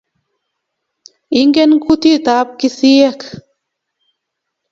Ingen kutitab kisiiyek